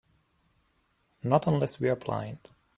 Not unless we're blind.